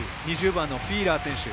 ２０番のフィーラー選手。